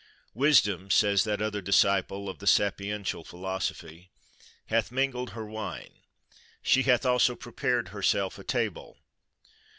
"Wisdom," says that other disciple of the Sapiential philosophy, "hath mingled Her wine, she hath also prepared Herself a table."